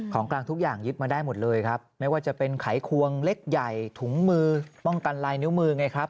กลางทุกอย่างยึดมาได้หมดเลยครับไม่ว่าจะเป็นไขควงเล็กใหญ่ถุงมือป้องกันลายนิ้วมือไงครับ